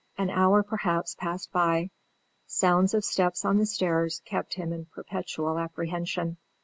An hour perhaps passed by; sounds of steps on the stairs kept him in perpetual apprehension.